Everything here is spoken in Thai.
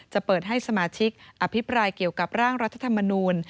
จะเปิดให้สมาชิกอภิปรายเกี่ยวกับร่างรัฐธรรมนูล